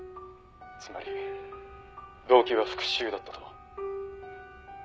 「つまり動機は復讐だったと？」